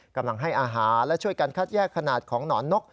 กำลังให้อาหารและช่วยกันคัดแยกขนาดของหนอนนก